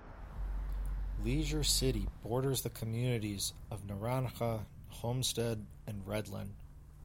Leisure City borders the communities of Naranja, Homestead, and Redland.